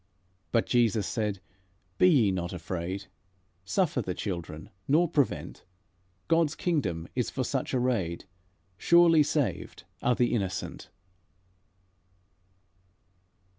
But Jesus said: 'Be ye not afraid; Suffer the children, nor prevent; God's kingdom is for such arrayed.' Surely saved are the innocent."